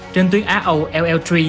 trên tuyến a âu ll ba